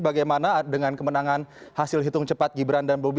bagaimana dengan kemenangan hasil hitung cepat gibran dan bobi